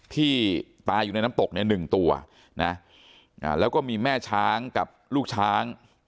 ที่ตายอยู่ในน้ำตกในหนึ่งตัวนะแล้วก็มีแม่ช้างกับลูกช้าง